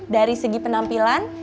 dari segi penampilan